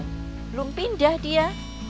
belum pindah dia